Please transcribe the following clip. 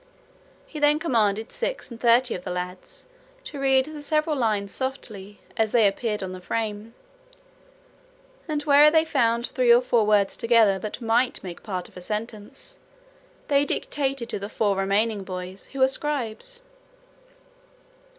He then commanded six and thirty of the lads, to read the several lines softly, as they appeared upon the frame; and where they found three or four words together that might make part of a sentence, they dictated to the four remaining boys, who were scribes.